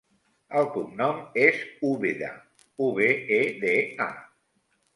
El cognom és Ubeda: u, be, e, de, a.